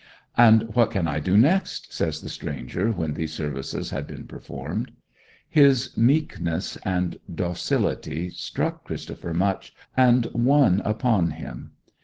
'And what can I do next?' says the stranger when these services had been performed. His meekness and docility struck Christopher much, and won upon him.